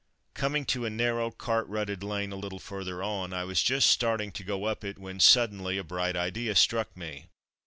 Coming to a narrow, cart rutted lane a little further on, I was just starting to go up it when, suddenly, a bright idea struck me.